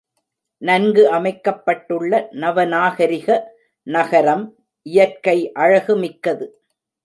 நன்கு அமைக்கப்பட்டுள்ள நவநாகரிக நகரம், இயற்கை அழகுமிக்கது.